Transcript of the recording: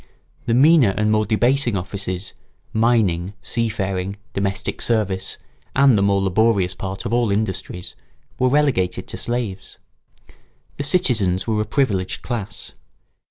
The meaner and more debasing offices, mining, sea faring, domestic service, and the more laborious part of all industries, were relegated to slaves. The citizens were a privileged class.